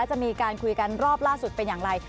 จะมีการคุยกันรอบล่าสุดเป็นอย่างไร